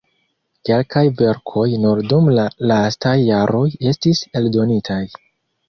Kelkaj verkoj nur dum la lastaj jaroj estis eldonitaj.